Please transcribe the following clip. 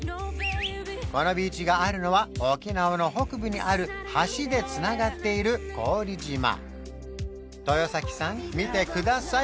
このビーチがあるのは沖縄の北部にある橋でつながっている古宇利島豊崎さん見てください